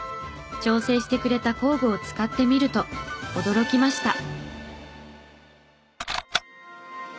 調整してくれた工具を使ってみると驚きました。